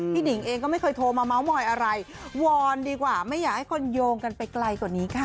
หนิงเองก็ไม่เคยโทรมาเม้ามอยอะไรวอนดีกว่าไม่อยากให้คนโยงกันไปไกลกว่านี้ค่ะ